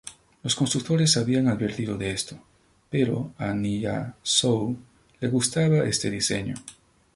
Los constructores habían advertido de esto, pero a Nyýazow le gustaba este diseño.